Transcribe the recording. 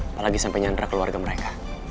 apalagi sampai nyandra keluarga mereka